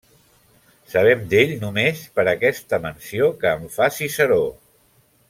Sabem d'ell només per aquesta menció que en fa Ciceró.